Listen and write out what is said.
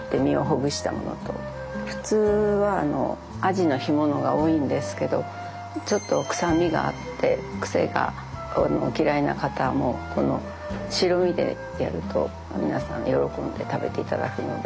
普通はアジの干物が多いんですけどちょっと臭みがあって癖がお嫌いな方もこの白身でやると皆さん喜んで食べていただくので。